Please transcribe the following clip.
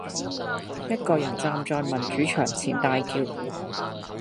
一個人站在民主牆前大叫